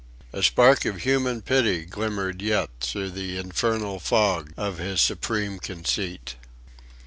A spark of human pity glimmered yet through the infernal fog of his supreme conceit.